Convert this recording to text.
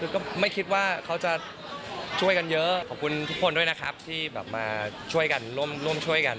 ก็ไม่คิดว่าเขาจะช่วยกันเยอะขอบคุณทุกคนด้วยนะครับที่แบบมาช่วยกันร่วมช่วยกัน